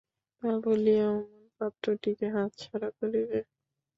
তা বলিয়া অমন পাত্রটিকে হাতছাড়া করিবে?